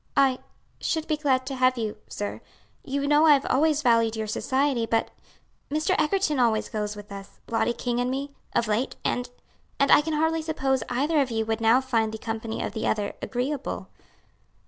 "I should be glad to have you, sir; you know I have always valued your society, but Mr. Egerton always goes with us Lottie King and me of late; and and I can hardly suppose either of you would now find the company of the other agreeable."